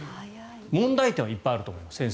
問題点はいっぱいあると思います。